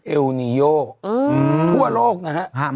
เอลนิโยทั่วโลกนะฮะ